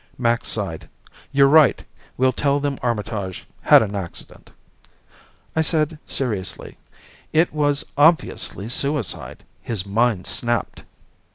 Max sighed. "You're right. We'll tell them Armitage had an accident." I said seriously, "It was obviously suicide. His mind snapped."